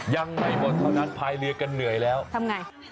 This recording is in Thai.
ยังไงหมดเท่านั้นพายเรือกันเหนื่อยแล้วทำไง